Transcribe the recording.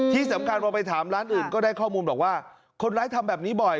ที่สำคัญพอไปถามร้านอื่นก็ได้ข้อมูลบอกว่าคนร้ายทำแบบนี้บ่อย